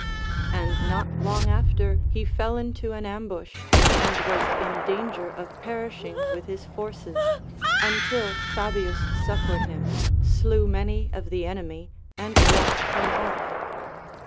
And not lone: after he fell into an ambush, and was in danger of perish ing Avith his forces, until Fabius succored him, slew many of the enemy, and brought him off.